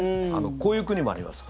こういう国もあります。